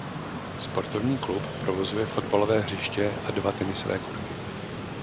Sportovní klub provozuje fotbalové hřiště a dva tenisové kurty.